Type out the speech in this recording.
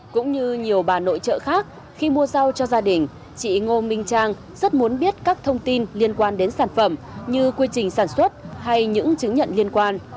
cũng như nhiều bà nội trợ khác khi mua rau cho gia đình chị ngô minh trang rất muốn biết các thông tin liên quan đến sản phẩm như quy trình sản xuất hay những chứng nhận liên quan